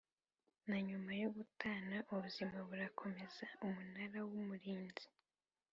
Na nyuma yo gutana ubuzima burakomeza Umunara w Umurinzi